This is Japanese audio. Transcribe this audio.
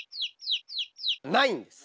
ないんです。